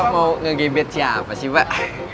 mau ngegebet siapa sih pak